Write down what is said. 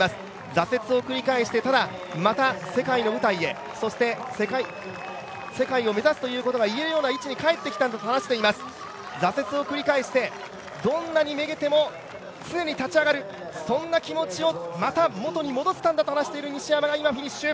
挫折を繰り返してただ、また世界の舞台へそして世界を目指すということが言えるような位置に帰ってきたんだと話しています挫折を繰り返してどんなにめげても、常に立ち上がるそんな気持ちをまた元に戻せたんだと話していた西山が今、フィニッシュ。